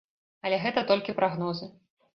Але гэта толькі прагнозы.